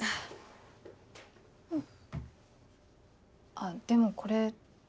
あっでもこれ。